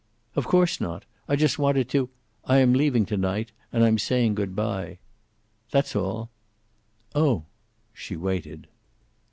"Of course not. I just wanted to I am leaving to night and I'm saying good by. That's all." "Oh!" She waited.